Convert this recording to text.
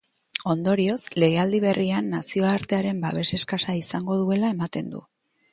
Ondorioz, legealdi berrian nazioartearen babes eskasa izango duela ematen du.